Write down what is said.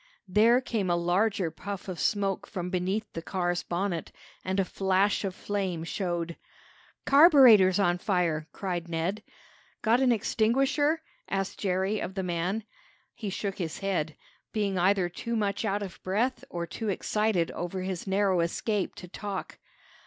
There came a larger puff of smoke from beneath the car's bonnet, and a flash of flame showed. "Carburetor's on fire!" cried Ned. "Got an extinguisher?" asked Jerry of the man. He shook his head, being either too much out of breath or too excited over his narrow escape to talk.